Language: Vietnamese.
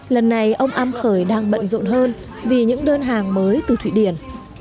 lần này ông am khởi đang bận rộn hơn vì những đơn hàng mới từ thụy điển